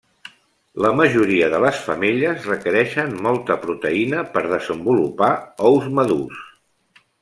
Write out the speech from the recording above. La majoria de les femelles requereixen molta proteïna per desenvolupar ous madurs.